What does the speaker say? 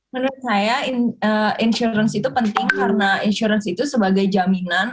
menurut saya insurance itu penting karena insuransi itu sebagai jaminan